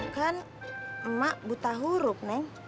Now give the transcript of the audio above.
kan emak buta huruf neng